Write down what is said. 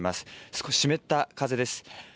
少し湿った風です。